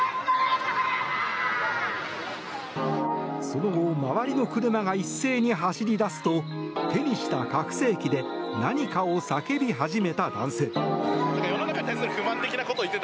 その後、周りの車が一斉に走り出すと手にした拡声器で何かを叫び始めた男性。